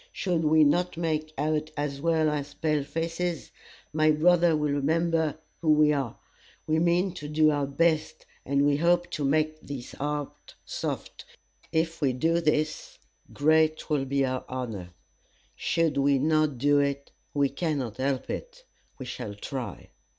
Should we not make out as well as pale faces, my brother will remember who we are. We mean to do our best, and we hope to make his heart soft. If we do this, great will be our honor. Should we not do it, we cannot help it. We shall try."